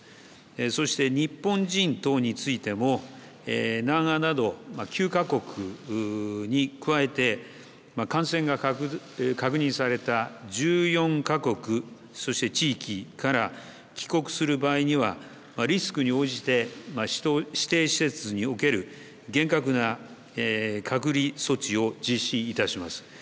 そして日本人等についても南アなど９か国に加えて感染が確認された１４か国そして地域から帰国する場合にはリスクに応じて指定施設における厳格な隔離措置を実施いたします。